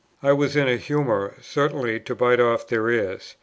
I was in a humour, certainly, to bite off their ears.